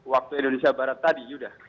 waktu indonesia barat tadi sudah